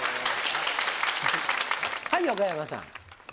はい横山さん。